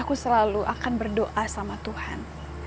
aku selalu akan berdoa sama tuhan